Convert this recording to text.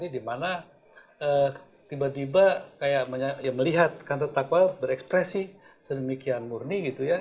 dimana tiba tiba melihat kantar taqwa berekspresi sedemikian murni gitu ya